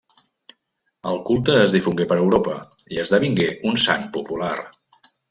El culte es difongué per Europa i esdevingué un sant popular.